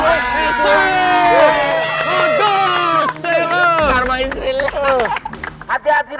wah udah bisa dibiarin sih